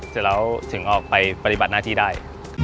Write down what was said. เสร็จแล้วถึงออกไปปฏิบัติหน้าที่ได้